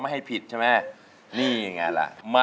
ให้สารที่ทรม